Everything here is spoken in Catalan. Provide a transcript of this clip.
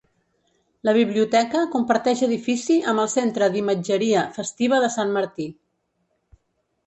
La biblioteca comparteix edifici amb el Centre d’Imatgeria Festiva de Sant Martí.